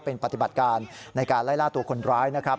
เป็นปฏิบัติการในการไล่ล่าตัวคนร้ายนะครับ